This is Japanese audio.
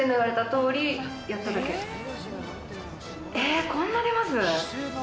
えっこんな出ます？